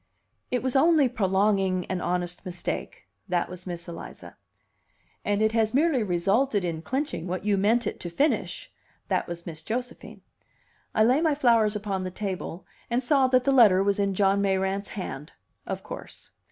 "It was only prolonging an honest mistake." That was Miss Eliza. "And it has merely resulted in clinching what you meant it to finish." That was Miss Josephine. I laid my flowers upon the table, and saw that the letter was in John Mayrant's hand. Of course.